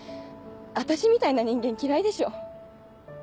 私みたいな人間嫌いでしょ？